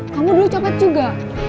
kamu dulu copot juga